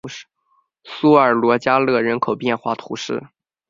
苏埃罗加勒人口变化图示